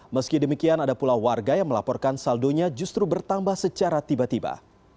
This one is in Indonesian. meski demikian ada pula warga yang melaporkan saldonya justru bertambah secara tiba tiba